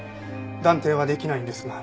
断定はできないんですが。